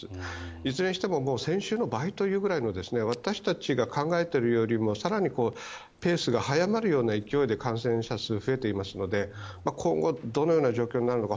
いずれにしても先週の倍というくらいの私たちが考えているよりも更にペースが速まるような勢いで感染者数が増えていますので今後、どのような状況になるのか